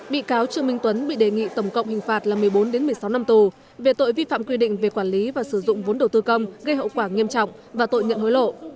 bị cáo trương minh tuấn bị đề nghị tổng cộng hình phạt là một mươi bốn một mươi sáu năm tù về tội vi phạm quy định về quản lý và sử dụng vốn đầu tư công gây hậu quả nghiêm trọng và tội nhận hối lộ